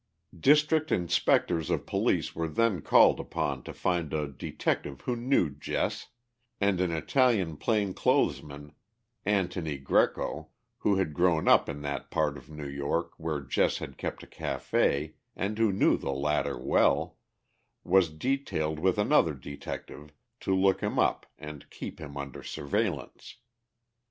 District inspectors of police were then called upon to find a detective who knew Jess, and an Italian plain clothes man, Antony Grieco, who had grown up in that part of New York where Jess had kept a café, and who knew the latter well, was detailed with another detective to look him up and keep him under surveillance.